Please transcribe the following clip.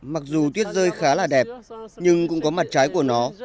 mặc dù tuyết rơi khá là đẹp nhưng cũng có mặt trái của nó